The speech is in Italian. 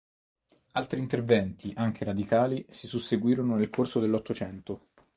Altri interventi, anche radicali, si susseguirono nel corso dell'Ottocento.